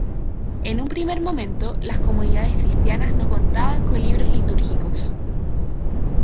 En un primer momento las comunidades cristianas no contaban con libros litúrgicos.